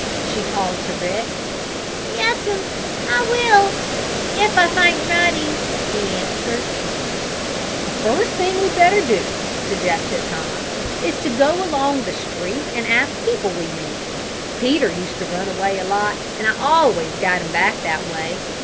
she called to Rick. "Yes'm, I will if I find Ruddy!" he answered. "The first thing we'd better do," suggested Tom, "is to go along the street and ask people we meet. Peter used to run away a lot, and I always got him back that way.